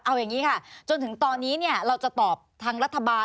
เอาอย่างนี้ค่ะจนถึงตอนนี้เราจะตอบทางรัฐบาล